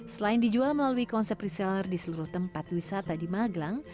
selain dijual melalui konsep reseller di seluruh tempat wisata di magelang